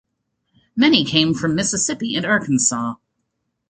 Many came from Mississippi and Arkansas.